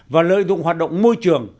và lợi dụng hoạt động môi trường